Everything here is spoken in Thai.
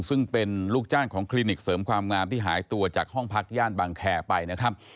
ซึ่งเป็นลูกจ้างของคลินิกเสริมความงามที่หายตัวจากห้องพักย่านบางแคร์ไปนะครับ